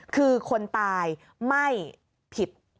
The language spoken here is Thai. คือคนตายไม่ผิด